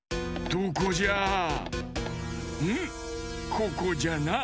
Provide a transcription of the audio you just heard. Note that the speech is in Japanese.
ここじゃな。